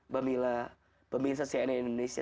bambila pemirsa si aneh indonesia